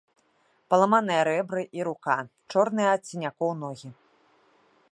Паламаныя рэбры і рука, чорныя ад сінякоў ногі.